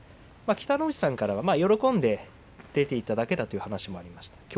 北の富士さんは喜んで出ていただけだという話もありました。